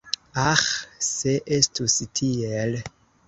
Aĥ, se estus tiel!